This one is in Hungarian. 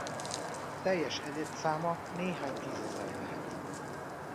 Teljes egyedszáma néhány tízezer lehet.